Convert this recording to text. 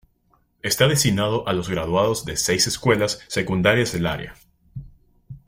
Está destinado a los graduados de seis escuelas secundarias de la área.